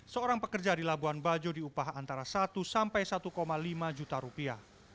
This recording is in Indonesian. seorang pekerja di labuan bajo diupah antara satu sampai satu lima juta rupiah